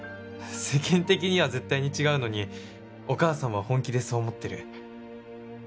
世間的には絶対に違うのにお母さんは本気でそう思ってる。